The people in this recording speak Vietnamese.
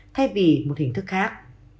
thay vì một hình thức khác